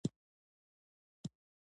قوه په یو وکتور سره ښیو.